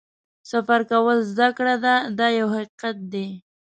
سفر کول زده کړه ده دا یو حقیقت دی.